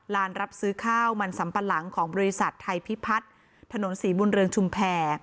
รับซื้อข้าวมันสัมปะหลังของบริษัทไทยพิพัฒน์ถนนศรีบุญเรืองชุมแพร